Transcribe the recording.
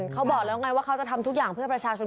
เขาบอกแล้วไงว่าเขาจะทำทุกอย่างเพื่อประชาชน